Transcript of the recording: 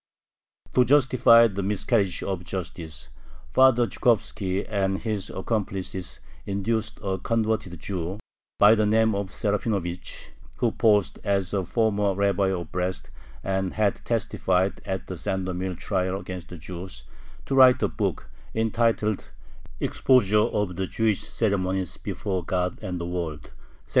To justify the miscarriage of justice, Father Zhukhovski and his accomplices induced a converted Jew, by the name of Serafinovich, who posed as a former Rabbi of Brest, and had testified at the Sandomir trial against the Jews, to write a book, entitled "Exposure of the Jewish Ceremonies before God and the World" (1716).